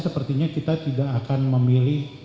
sepertinya kita tidak akan memilih